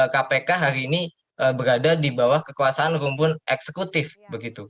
kpk hari ini berada di bawah kekuasaan rumpun eksekutif begitu